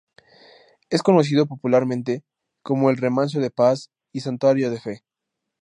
Es conocido popularmente como el remanso de paz y santuario de fe.